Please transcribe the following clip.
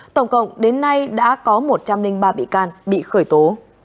tổng cộng đến nay đã có một trăm linh ba bị can bị khởi tố